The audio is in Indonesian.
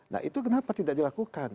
nah itu kenapa tidak dilakukan